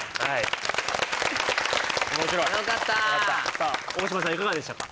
さあ大島さんいかがでしたか？